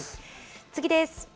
次です。